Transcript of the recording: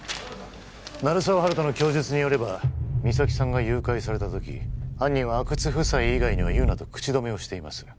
鳴沢温人の供述によれば実咲さんが誘拐された時犯人は阿久津夫妻以外には言うなと口止めをしています